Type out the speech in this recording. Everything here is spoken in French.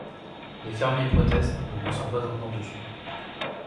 Les fermiers protestent, mais ne sont pas entendus.